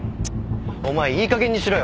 お前いいかげんにしろよ。